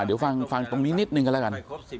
เดี๋ยวฟังตรงนี้นิดนึงกันแล้วกัน